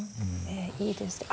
いいですね。